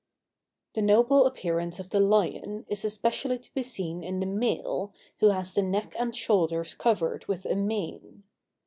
The noble appearance of the lion is especially to be seen in the male, who has the neck and shoulders covered with a mane.